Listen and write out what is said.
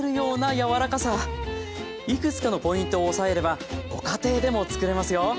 いくつかのポイントを押さえればご家庭でも作れますよ！